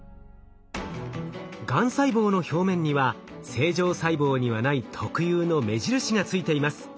がん細胞の表面には正常細胞にはない特有の目印がついています。